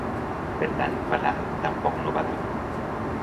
Per tant, badar tampoc no badava.